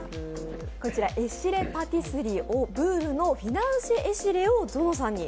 こちらエシレ・パティスリーオブールのフィナンシェ・エシレをぞのさんに。